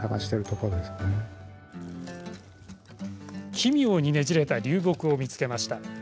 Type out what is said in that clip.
奇妙にねじれた流木を見つけました。